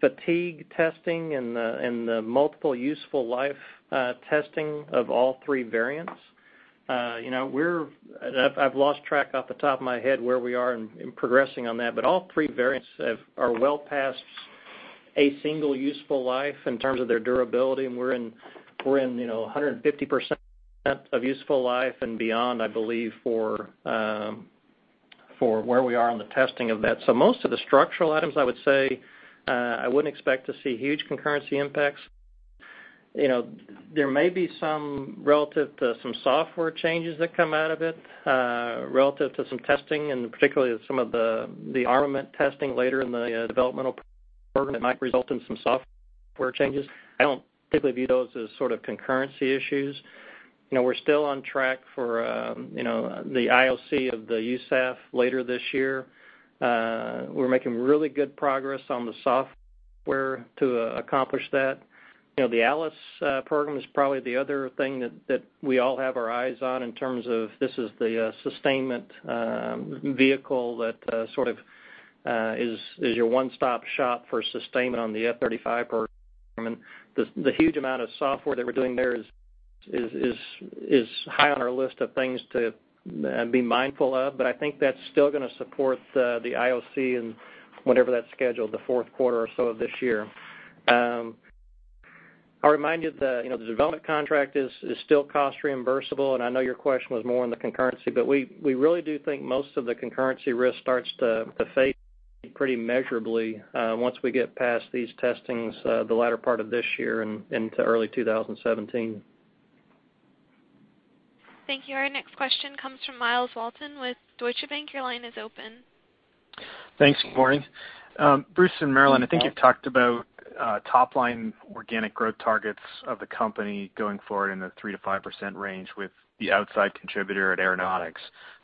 fatigue testing and the multiple useful life testing of all three variants. I've lost track off the top of my head where we are in progressing on that, but all three variants are well past a single useful life in terms of their durability, and we're in 150% of useful life and beyond, I believe, for where we are on the testing of that. Most of the structural items, I would say, I wouldn't expect to see huge concurrency impacts. There may be some relative to some software changes that come out of it, relative to some testing, and particularly some of the armament testing later in the developmental program that might result in some software changes. I don't particularly view those as sort of concurrency issues. We're still on track for the IOC of the USAF later this year. We're making really good progress on the software to accomplish that. The ALIS program is probably the other thing that we all have our eyes on in terms of this is the sustainment vehicle that sort of is your one-stop shop for sustainment on the F-35 program. The huge amount of software that we're doing there is high on our list of things to be mindful of, but I think that's still going to support the IOC and whenever that's scheduled, the fourth quarter or so of this year. I'll remind you that the development contract is still cost reimbursable. I know your question was more on the concurrency, but we really do think most of the concurrency risk starts to fade pretty measurably once we get past these testings the latter part of this year and into early 2017. Thank you. Our next question comes from Myles Walton with Deutsche Bank. Your line is open. Thanks. Good morning. Bruce and Marillyn, I think you've talked about top-line organic growth targets of the company going forward in the 3%-5% range with the outside contributor at Aeronautics,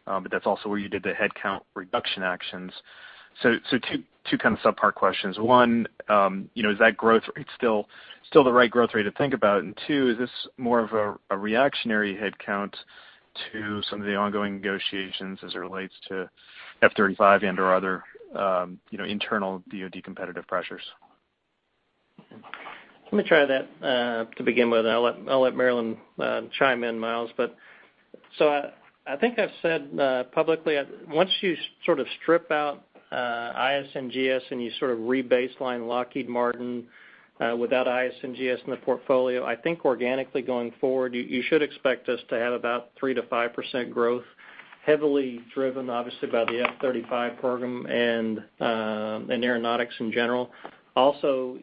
but that's also where you did the headcount reduction actions. Two kind of sub-part questions. One, is that growth rate still the right growth rate to think about? Two, is this more of a reactionary headcount to some of the ongoing negotiations as it relates to F-35 and/or other internal DoD competitive pressures? Let me try that to begin with. I'll let Marillyn chime in, Myles. I think I've said publicly, once you sort of strip out IS&GS and you sort of re-baseline Lockheed Martin without IS&GS in the portfolio, I think organically going forward, you should expect us to have about 3%-5% growth, heavily driven, obviously, by the F-35 program and aeronautics in general. Also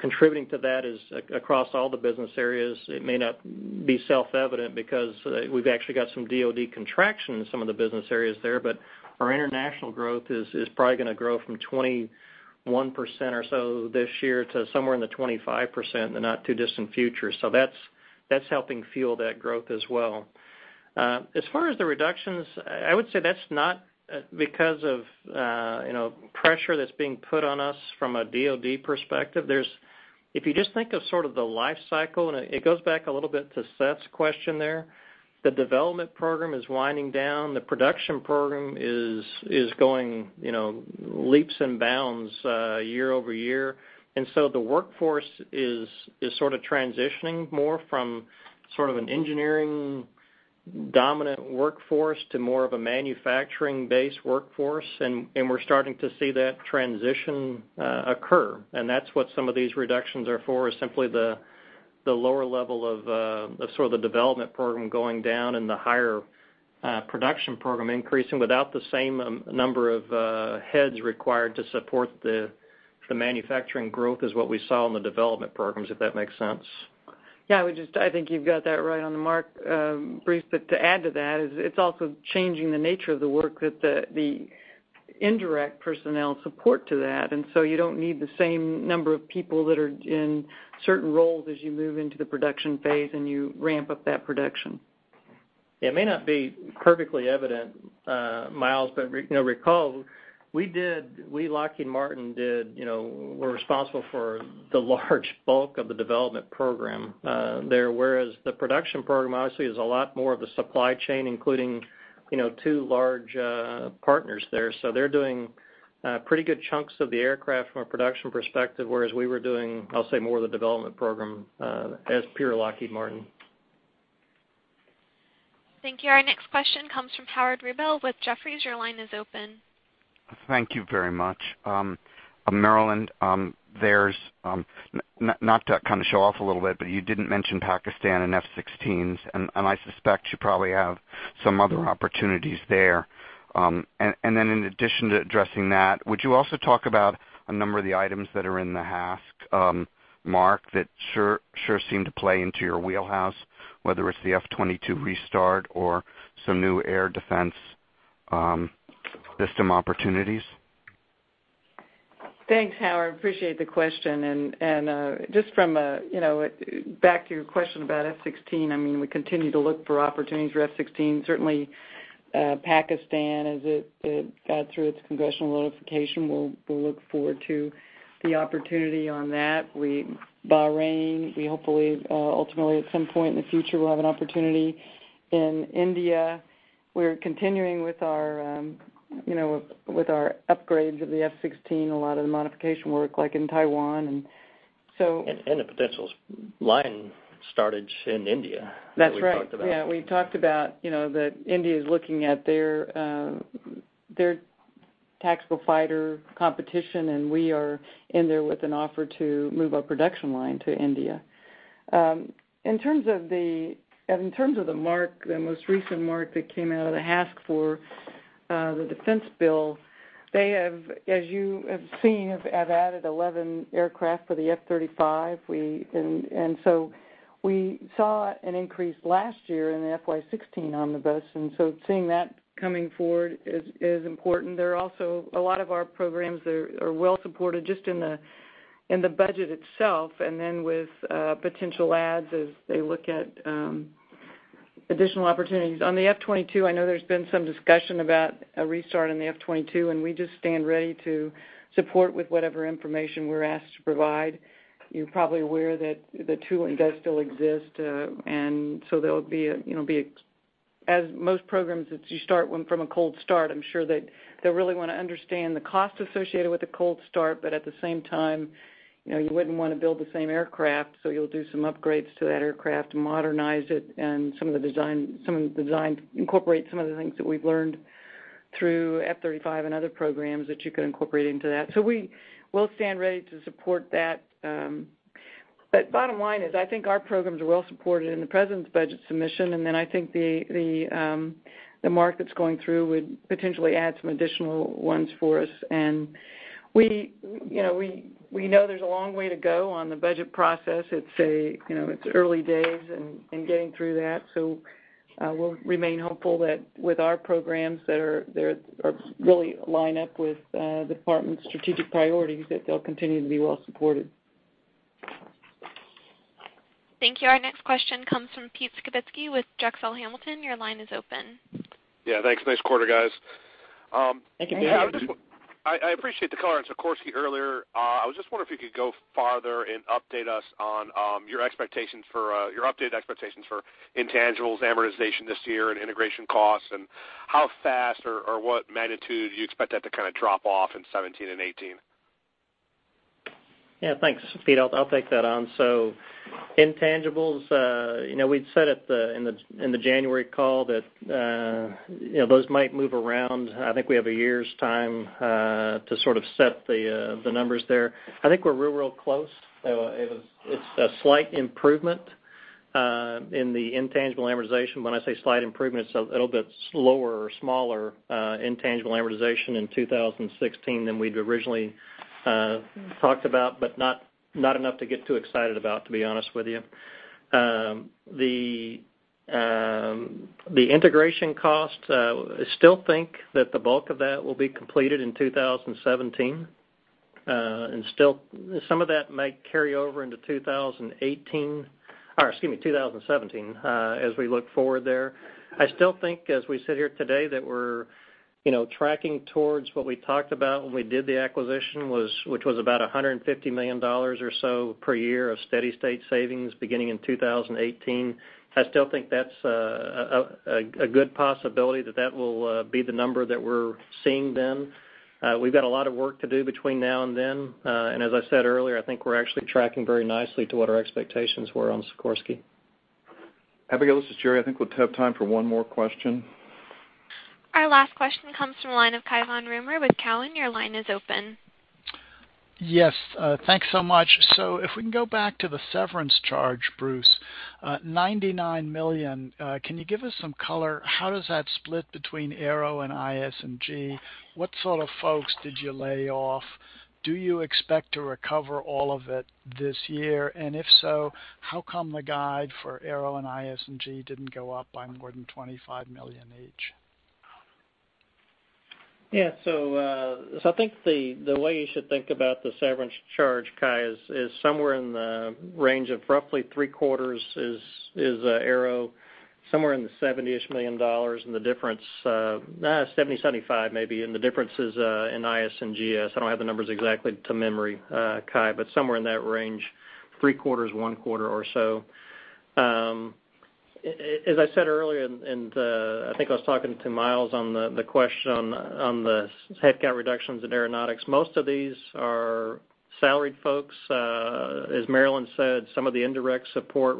contributing to that is, across all the business areas, it may not be self-evident because we've actually got some DoD contraction in some of the business areas there, but our international growth is probably going to grow from 21% or so this year to somewhere in the 25% in the not too distant future. That's helping fuel that growth as well. As far as the reductions, I would say that's not because of pressure that's being put on us from a DoD perspective. If you just think of sort of the life cycle, and it goes back a little bit to Seth Seifman's question there, the development program is winding down. The production program is going leaps and bounds year-over-year. The workforce is sort of transitioning more from sort of an engineering dominant workforce to more of a manufacturing base workforce, and we're starting to see that transition occur. That's what some of these reductions are for, is simply the lower level of sort of the development program going down and the higher production program increasing without the same number of heads required to support the manufacturing growth as what we saw in the development programs, if that makes sense. Yeah, I think you've got that right on the mark, Bruce. To add to that, it's also changing the nature of the work that the indirect personnel support to that, you don't need the same number of people that are in certain roles as you move into the production phase and you ramp up that production. It may not be perfectly evident, Myles, but recall, we, Lockheed Martin, were responsible for the large bulk of the development program there, whereas the production program, obviously, is a lot more of the supply chain, including two large partners there. They're doing pretty good chunks of the aircraft from a production perspective, whereas we were doing, I'll say, more of the development program as pure Lockheed Martin. Thank you. Our next question comes from Howard Rubel with Jefferies. Your line is open. Thank you very much. Marillyn, not to kind of show off a little bit, you didn't mention Pakistan and F-16s, I suspect you probably have some other opportunities there. Then in addition to addressing that, would you also talk about a number of the items that are in the HASC that sure seem to play into your wheelhouse, whether it's the F-22 restart or some new air defense system opportunities? Thanks, Howard. Appreciate the question. Back to your question about F-16, we continue to look for opportunities for F-16. Certainly, Pakistan, as it got through its congressional notification, we'll look forward to the opportunity on that. Bahrain, we hopefully, ultimately at some point in the future, will have an opportunity. In India, we're continuing with our upgrades of the F-16, a lot of the modification work, like in Taiwan. The potential line start-up in India that we talked about. That's right. Yeah, we've talked about that India is looking at their tactical fighter competition, and we are in there with an offer to move a production line to India. In terms of the mark, the most recent mark that came out of the HASC for the defense bill, they have, as you have seen, have added 11 aircraft for the F-35. We saw an increase last year in the FY 2016 omnibus, seeing that coming forward is important. There are also a lot of our programs that are well supported just in the budget itself, then with potential adds as they look at additional opportunities. On the F-22, I know there's been some discussion about a restart in the F-22, we just stand ready to support with whatever information we're asked to provide. You're probably aware that the tooling does still exist, as most programs, you start one from a cold start. I'm sure they'll really want to understand the cost associated with a cold start, but at the same time, you wouldn't want to build the same aircraft, you'll do some upgrades to that aircraft to modernize it, and some of the design incorporate some of the things that we've learned through F-35 and other programs that you could incorporate into that. We'll stand ready to support that. Bottom line is, I think our programs are well supported in the president's budget submission, then I think the mark that's going through would potentially add some additional ones for us. We know there's a long way to go on the budget process. It's early days in getting through that. We'll remain hopeful that with our programs that really line up with the department's strategic priorities, that they'll continue to be well supported. Thank you. Our next question comes from Pete Skibitski with Drexel Hamilton. Your line is open. Yeah, thanks. Nice quarter, guys. Thank you. I appreciate the color on Sikorsky earlier. I was just wonder if you could go farther and update us on your updated expectations for intangibles amortization this year and integration costs, and how fast or what magnitude do you expect that to kind of drop off in 2017 and 2018? Yeah. Thanks, Pete. I'll take that on. Intangibles, we'd said in the January call that those might move around. I think we have a year's time to sort of set the numbers there. I think we're real close. It's a slight improvement in the intangible amortization. When I say slight improvement, it's a little bit slower or smaller intangible amortization in 2016 than we'd originally talked about, but not enough to get too excited about, to be honest with you. The integration cost, I still think that the bulk of that will be completed in 2017. Still some of that might carry over into 2018, or excuse me, 2017, as we look forward there. I still think as we sit here today that we're tracking towards what we talked about when we did the acquisition, which was about $150 million or so per year of steady state savings beginning in 2018. I still think that's a good possibility that that will be the number that we're seeing then. We've got a lot of work to do between now and then. As I said earlier, I think we're actually tracking very nicely to what our expectations were on Sikorsky. Abigail, this is Jerry. I think we have time for one more question. Our last question comes from the line of Cai von Rumohr with Cowen. Your line is open. Yes. Thanks so much. If we can go back to the severance charge, Bruce, $99 million, can you give us some color? How does that split between Aero and IS&GS? What sort of folks did you lay off? Do you expect to recover all of it this year? If so, how come the guide for Aero and IS&GS didn't go up by more than $25 million each? I think the way you should think about the severance charge, Cai, is somewhere in the range of roughly three quarters is Aero, somewhere in the $70 million, and the difference, $75 maybe, and the difference is in IS&GS. I don't have the numbers exactly to memory, Cai, but somewhere in that range, three quarters, one quarter or so. As I said earlier, I think I was talking to Myles on the question on the headcount reductions in Aeronautics. Most of these are salaried folks. As Marillyn said, some of the indirect support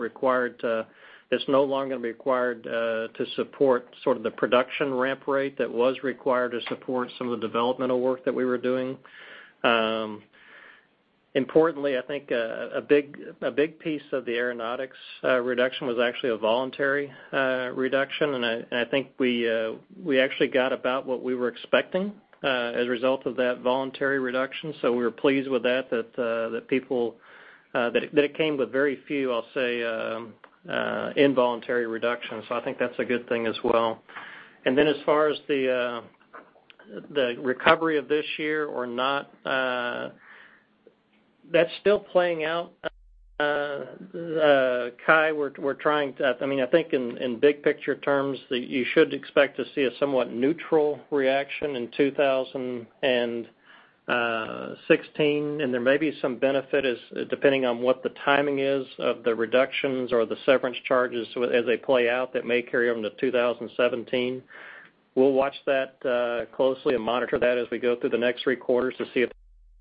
is no longer required to support sort of the production ramp rate that was required to support some of the developmental work that we were doing. Importantly, I think a big piece of the Aeronautics reduction was actually a voluntary reduction, I think we actually got about what we were expecting as a result of that voluntary reduction. We were pleased with that it came with very few, I'll say, involuntary reductions. I think that's a good thing as well. As far as the recovery of this year or not, that's still playing out, Cai. I think in big picture terms, you should expect to see a somewhat neutral reaction in 2016, there may be some benefit depending on what the timing is of the reductions or the severance charges as they play out that may carry over into 2017. We'll watch that closely and monitor that as we go through the next three quarters to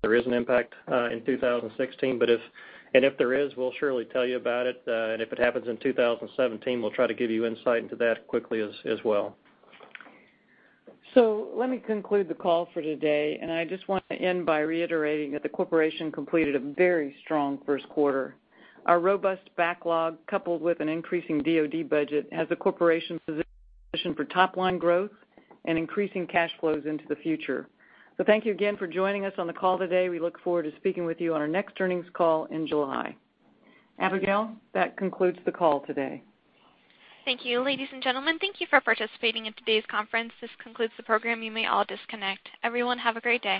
see if there is an impact in 2016. If there is, we'll surely tell you about it, if it happens in 2017, we'll try to give you insight into that quickly as well. Let me conclude the call for today, I just want to end by reiterating that the corporation completed a very strong first quarter. Our robust backlog, coupled with an increasing DoD budget, has the corporation positioned for top-line growth and increasing cash flows into the future. Thank you again for joining us on the call today. We look forward to speaking with you on our next earnings call in July. Abigail, that concludes the call today. Thank you. Ladies and gentlemen, thank you for participating in today's conference. This concludes the program. You may all disconnect. Everyone, have a great day.